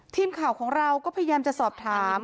ทีมข่าวของเราก็พยายามจะสอบถาม